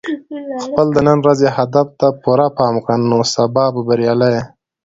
خپل د نن ورځې هدف ته پوره پام وکړه، نو سبا به بریالی یې.